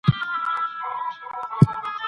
فلجي ناروغ د نورو په چوپړ کې ژوند کوي.